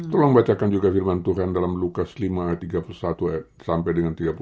tolong bacakan juga firman tuhan dalam lukas lima ayat tiga puluh satu sampai tiga puluh dua